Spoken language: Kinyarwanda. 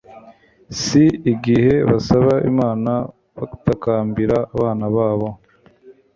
se igihe basaba Imana batakambira abana babo